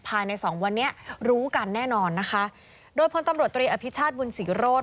ภายในสองวันนี้รู้กันแน่นอนนะคะโดยพลตำรวจตรีอภิชาติบุญศรีโรธ